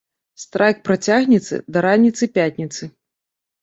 Страйк працягнецца да раніцы пятніцы.